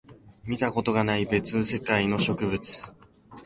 見たことがない別世界の植物